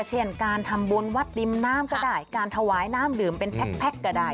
เช่นการทำบุญวัดริมน้ำก็ได้การถวายน้ำดื่มเป็นแพ็คก็ได้